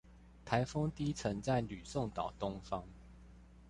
颱風低層在呂宋島東方